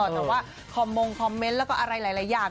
แต่ว่าคอมมงคอมเมนต์แล้วก็อะไรหลายอย่าง